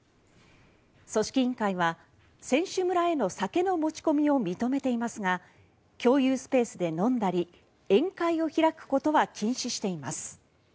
組織委員会は、選手村への酒の持ち込みを認めていますが共有スペースで飲んだり宴会を開くことは禁止しています。